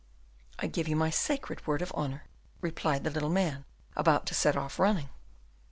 "I give you my sacred word of honor," replied the little man, about to set off running.